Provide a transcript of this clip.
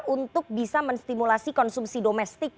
untuk bisa menstimulasi konsumsi domestik